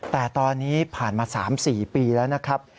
แต่ตอนนี้ผ่านมา๓๔ปีแล้วนะครับ